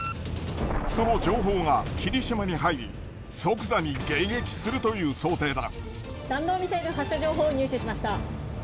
その情報がきりしまに入り、即座に迎撃するという想定だ。